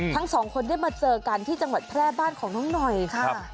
ทั้งสองคนได้มาเจอกันที่จังหวัดแพร่บ้านของน้องหน่อยค่ะ